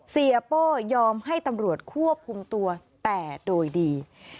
โป้ยอมให้ตำรวจควบคุมตัวแต่โดยดี